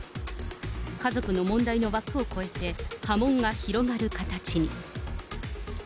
家族の問題の枠を超えて、波紋が広がる形に。